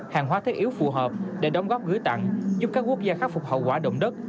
hàng hóa thiết yếu phù hợp để đóng góp gửi tặng giúp các quốc gia khắc phục hậu quả động đất